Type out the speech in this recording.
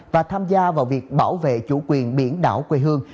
và tham gia vào việc bảo vệ chủ quyền biển đảo quê hương